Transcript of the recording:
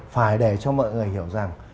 phải để cho mọi người hiểu rằng